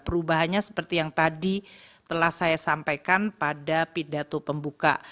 perubahannya seperti yang tadi telah saya sampaikan pada pidato pembuka